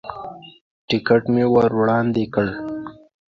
ټکټ مې ور وړاندې کړ.